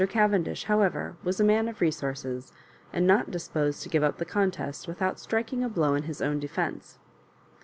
Cavendish, however, was a man of resources, and not disposed to give up the contest with out striking a blow in his own defence.